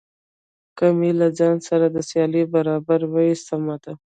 که مې له ځان سره د سیالۍ برابر وي سمه ده.